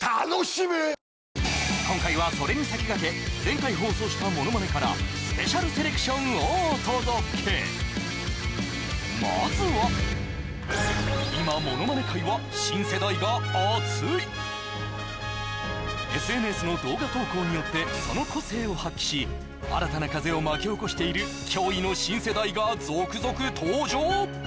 今回はそれに先駆け前回放送したものまねからスペシャルセレクションをお届けまずは今ＳＮＳの動画投稿によってその個性を発揮し新たな風を巻き起こしている驚異の新世代が続々登場！